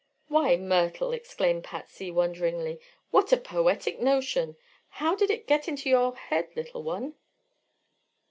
"Why, Myrtle!" exclaimed Patsy, wonderingly; "what a poetic notion. How did it get into your head, little one?"